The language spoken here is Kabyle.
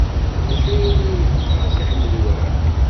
D acu ay la yeqqar Si Ḥmed Waɛli?